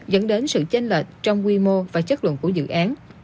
dẫn đến sự chênh lệch trong quy mô và chất lượng của dự án